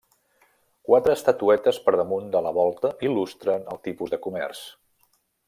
Quatre estatuetes per damunt de la volta il·lustren el tipus de comerç.